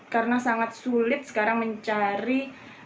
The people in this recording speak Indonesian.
karena sangat sulit sekarang mencari